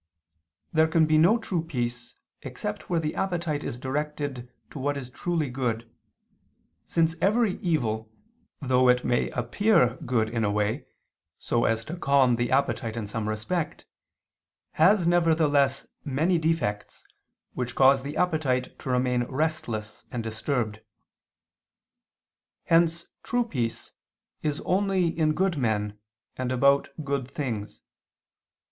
There can be no true peace except where the appetite is directed to what is truly good, since every evil, though it may appear good in a way, so as to calm the appetite in some respect, has, nevertheless many defects, which cause the appetite to remain restless and disturbed. Hence true peace is only in good men and about good things.